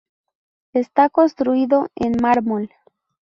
Está construido en mármol.